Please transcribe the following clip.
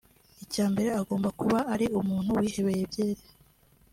Icya mbere agomba kuba ari umuntu wihebeye byeri